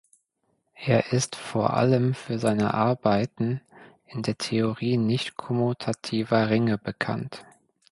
Er ist vor allem für seine Arbeiten in der Theorie nichtkommutativer Ringe bekannt.